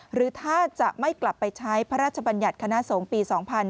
หรือถ้าจะไม่กลับไปใช้พระราชบัญญัติคณะสงฆ์ปี๒๕๕๙